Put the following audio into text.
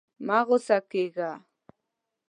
مه غوسه کېږه.